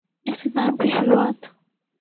اختتام کی شروعات؟